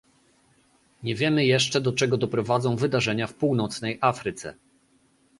Nie wiemy jeszcze do czego doprowadzą wydarzenia w północnej Afryce